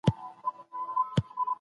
يا ئې بيله اړتيا جنسونه ورته رانيولي دي.